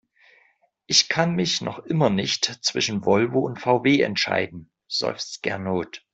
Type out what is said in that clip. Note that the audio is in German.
Ich kann mich noch immer nicht zwischen Volvo und VW entscheiden, seufzt Gernot.